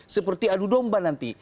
seperti adu domba nanti